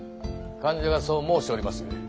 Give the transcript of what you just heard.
間者がそう申しておりますゆえ。